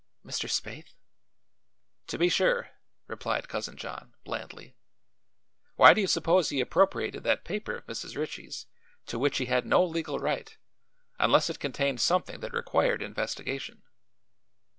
"Mr. Spaythe?" "To be sure," replied Cousin John blandly. "Why do you suppose he appropriated that paper of Mrs. Ritchie's, to which he had no legal right, unless it contained something that required investigation?"